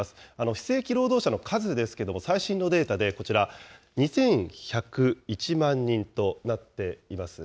非正規労働者の数ですけども、最新のデータでこちら、２１０１万人となっています。